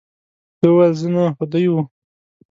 ده وویل، زه نه، خو دی وو.